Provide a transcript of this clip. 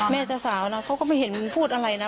เจ้าสาวนะเขาก็ไม่เห็นพูดอะไรนะ